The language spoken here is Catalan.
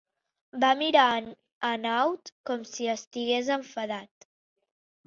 Va mirar en Hanaud com si estigués enfadat.